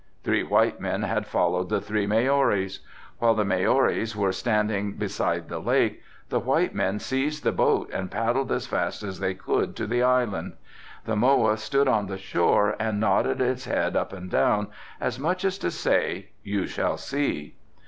Three white men had followed the three Maoris. While the Maoris were standing beside the lake the white men seized the boat and paddled as fast as they could to the island. The moa stood on the shore and nodded its head up and down as much as to say, 'You shall see.